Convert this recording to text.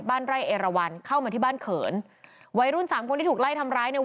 บ้านไร่เอราวันเข้ามาที่บ้านเขินวัยรุ่นสามคนที่ถูกไล่ทำร้ายเนี่ย